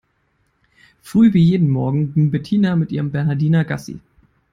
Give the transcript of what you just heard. Früh wie jeden Morgen ging Bettina mit ihrem Bernhardiner Gassi.